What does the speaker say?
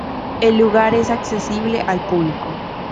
El lugar es accesible al público.